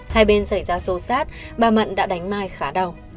hai bên xảy ra xô xát bà mận đã đánh mai khá đau